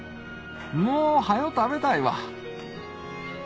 もう早食べたいわ！